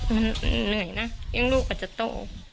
มันเหนื่อยนะเลี้ยงลูกอาจจะโต